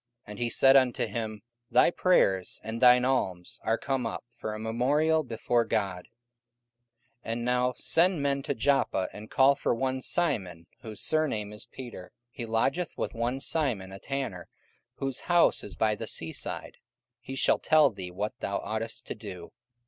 And he said unto him, Thy prayers and thine alms are come up for a memorial before God. 44:010:005 And now send men to Joppa, and call for one Simon, whose surname is Peter: 44:010:006 He lodgeth with one Simon a tanner, whose house is by the sea side: he shall tell thee what thou oughtest to do.